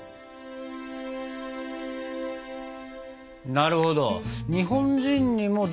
なるほど。